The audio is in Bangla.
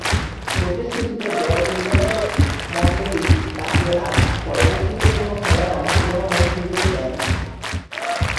ফলশ্রুতিতে দল নির্বাচকমণ্ডলী তাকে আর পরবর্তীতে কোন খেলার অংশগ্রহণের সুযোগ দেয়নি।